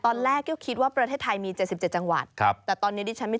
ตอนแรกก็คิดว่าประเทศไทยมี๗๗จังหวัดครับแต่ตอนนี้ดิฉันไม่